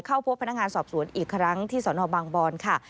เข้าพบพนักงานสอบสวนอีกครั้งที่สนบางบอนค่ะ